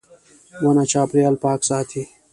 • ونه چاپېریال پاک ساتي.